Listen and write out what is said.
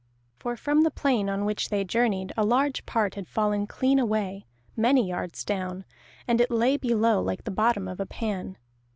For from the plain on which they journeyed a large part had fallen clean away, many yards down, and it lay below like the bottom of a pan.